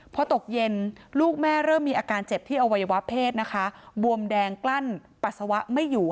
พอตกเย็นลูกแม่เริ่มมีอาการเจ็บที่อวัยวะเพศนะคะบวมแดงกลั้นปัสสาวะไม่อยู่